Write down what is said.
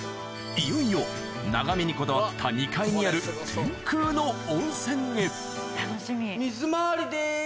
いよいよ眺めにこだわった２階にある天空の温泉へ水回りです